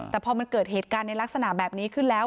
แต่พอมันเกิดเหตุการณ์ในลักษณะแบบนี้ขึ้นแล้ว